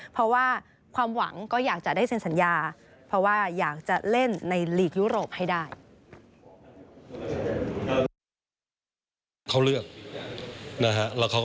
เพราะว่าความหวังก็อยากจะได้เซ็นสัญญา